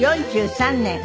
４３年。